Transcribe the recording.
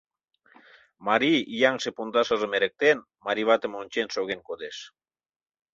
Марий, ияҥше пондашыжым эрыктен, марий ватым ончен шоген кодеш.